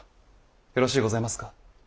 よろしうございますか。